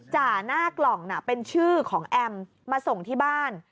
จ่าหน้ากล่องน่ะเป็นชื่อของแอมมาส่งที่บ้าน